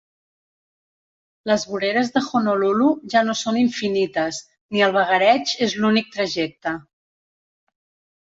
Les voreres de Honolulu ja no són infinites ni el vagareig és l'únic trajecte.